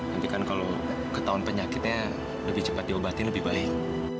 nanti kan kalau ketahuan penyakitnya lebih cepat diobati lebih baik